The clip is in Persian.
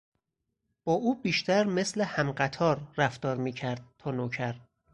با او بیشتر مثل همقطار رفتار میکرد تا نوکر.